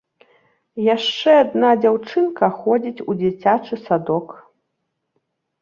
Яшчэ адна дзяўчынка ходзіць у дзіцячы садок.